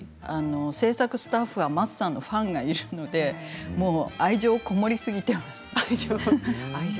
制作スタッフは松さんのファンがいるので愛情が籠もりすぎています。